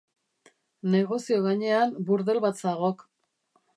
Negozio gainean, burdel bat zagok.